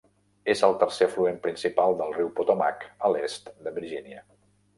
És el tercer afluent principal del riu Potomac a l'est de Virgínia.